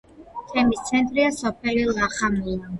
თემის ცენტრია სოფელი ლახამულა.